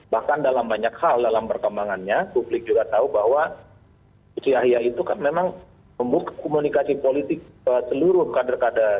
bahkan dalam banyak hal dalam perkembangannya publik juga tahu bahwa gus yahya itu kan memang membuka komunikasi politik ke seluruh kader kader